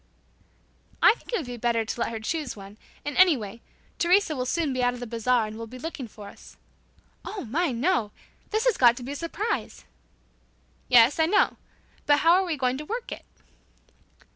"I think it would be better to let her choose one, and anyway, Teresa will soon be out of the bazaar and will be looking for us." "Oh, my, no! This has got to be a surprise!" "Yes, I know. But how are we going to work it?"